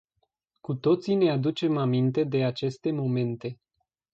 Cu toții ne aducem aminte de aceste momente.